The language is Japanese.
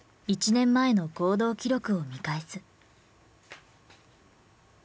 １年前の行動記録を見返す。